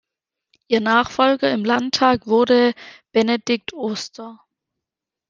Ihr Nachfolger im Landtag wurde Benedikt Oster.